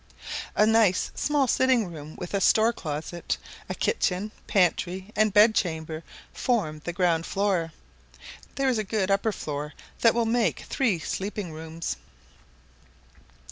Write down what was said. A nice small sitting room with a store closet, a kitchen, pantry, and bed chamber form the ground floor; there is a good upper floor that will make three sleeping rooms.